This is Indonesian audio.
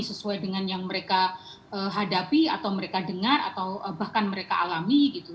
sesuai dengan yang mereka hadapi atau mereka dengar atau bahkan mereka alami gitu